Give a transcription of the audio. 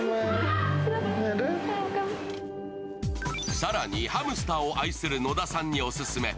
更にハムスターを愛する野田さんにオススメ。